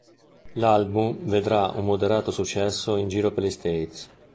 L'album vedrà un moderato successo in giro per gli States.